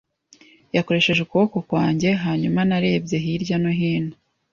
yakoresheje ukuboko kwanjye. Hanyuma narebye hirya no hino,